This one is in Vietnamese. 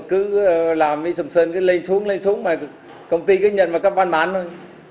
cứ làm đi sầm sơn cứ lên xuống lên xuống mà công ty cứ nhận vào các văn bản thôi